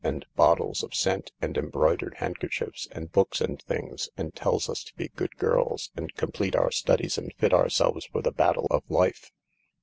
and bottles of scent, and embroidered handkerchiefs, and books and things, and tells us to be good girls and complete our studies and fit ourselves for the battle of life.